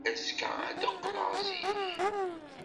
Azekka ad d-qqleɣ zik.